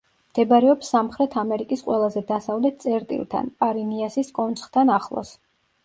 მდებარეობს სამხრეთ ამერიკის ყველაზე დასავლეთ წერტილთან, პარინიასის კონცხთან, ახლოს.